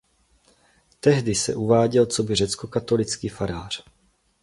Tehdy se uváděl coby řeckokatolický farář.